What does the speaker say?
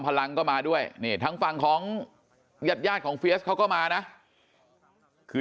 พลังก็มาด้วยนี่ทางฝั่งของญาติยาดของเฟียสเขาก็มานะคือ